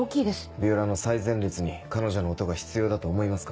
ヴィオラの最前列に彼女の音が必要だと思いますか？